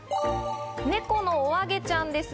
猫のおあげちゃんです。